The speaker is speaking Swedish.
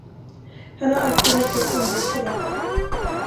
Han har alltid lyckats undvika det.